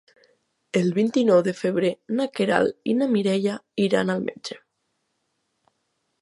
El vint-i-nou de febrer na Queralt i na Mireia iran al metge.